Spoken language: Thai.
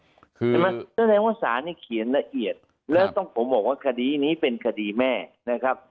เห็นไหมเพราะฉะนั้นว่าสารนี้เขียนละเอียดแล้วต้องผมบอกว่าคดีนี้เป็นคดีแม่นะครับ